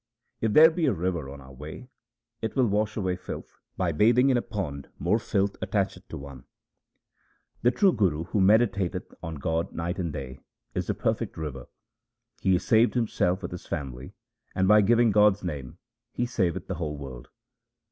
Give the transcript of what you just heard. If there be a river on our way, it will wash away filth ; by bathing in a pond 1 more filth attacheth 10 one. The true Guru who meditateth on God night and day is the perfect river. He is saved himself with his family, and by giving God's name he saveth the whole world.